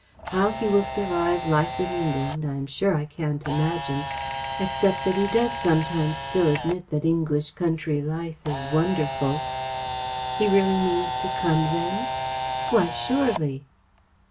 How he will survive life in England I am sure I can't imagine, except that he does sometimes still admit that English country life is wonderful." "He really means to come then?" "Why, surely."